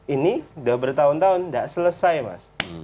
ini sudah bertahun tahun tidak selesai mas